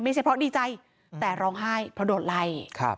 ไม่ใช่เพราะดีใจแต่ร้องไห้เพราะโดดไล่